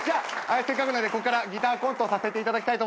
せっかくなんでここからギターコントをさせていただきます。